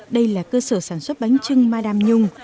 đây là cơ sở sản xuất bánh trưng madam nhung